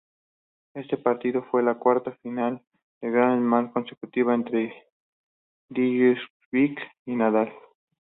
Este partido fue la cuarta final de Grand Slam consecutiva entre Djokovic y Nadal.